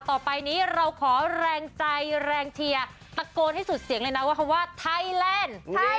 ต่อไปนี้เราขอแรงใจแรงเชียร์ตะโกนให้สุดเสียงเลยนะว่าคำว่าไทยแลนด์